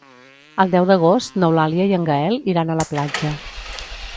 El deu d'agost n'Eulàlia i en Gaël iran a la platja.